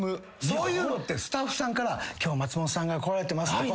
そういうのってスタッフさんから「今日松本さんが来られてます」とか。